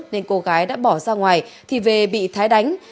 nên cô gái đã bỏ ra ngoài thì về bị thái đánh